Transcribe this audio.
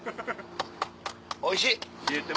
おいしい！